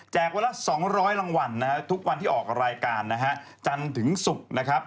แจกวันละ๒๐๐รางวัลทุกวันที่ออกรายการจันทร์ถึงศุกร์